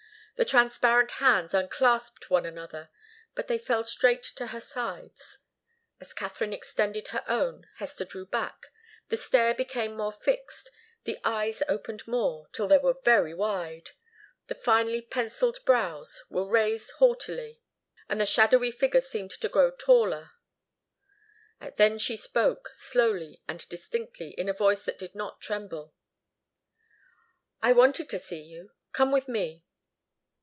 The transparent hands unclasped one another, but they fell straight to her sides. As Katharine extended her own, Hester drew back, the stare became more fixed, the eyes opened more, till they were very wide, the finely pencilled brows were raised haughtily, and the shadowy figure seemed to grow taller. Then she spoke, slowly and distinctly, in a voice that did not tremble. "I wanted to see you. Come with me."